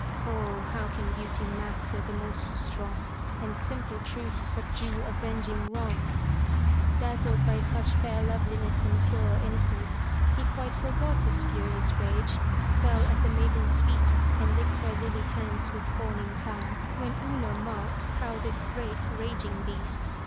*'0, how can beauty master the most strong. And simple truth subdue avenging wrongF* Dazzled by such fair loveliness and pure innocence, he quite forgot his furious rage, fell at the maiden's feet and licked her lily hands with fawning tongue. When Una marked how this great, raging beast.